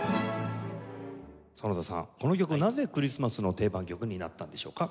園田さんこの曲なぜクリスマスの定番曲になったんでしょうか？